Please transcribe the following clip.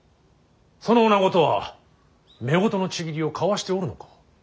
その女子とは夫婦の契りを交わしておるのか。